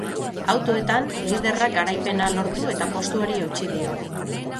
Autoetan, liderrak garaipena lortu eta postuari eutsi dio.